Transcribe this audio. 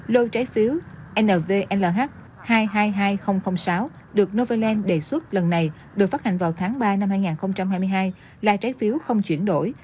lô trái phiếu nv hai trăm hai mươi hai nghìn sáu được novaland đề xuất lần này được phát hành vào tháng ba năm hai nghìn hai mươi hai là trái phiếu không chuyển đổi